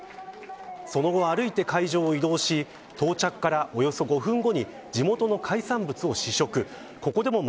その後、歩いて会場を移動し到着から、およそ５分後に地元の海産物を試食。